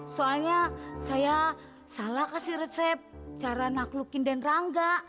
soalnya saya salah kasih resep cara naklukin dan rangga